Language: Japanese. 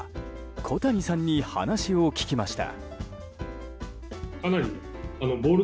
小谷さんに話を聞きました。